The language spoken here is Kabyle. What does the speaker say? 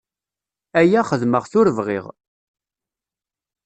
Aya xedmeɣ-t ur bɣiɣ.